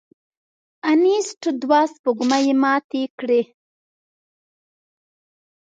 انیسټ دوه سپوږمۍ ماتې کړې.